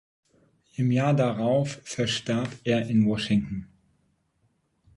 Im Jahr darauf verstarb er in Washington.